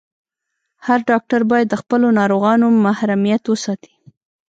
هر ډاکټر باید د خپلو ناروغانو محرميت وساتي.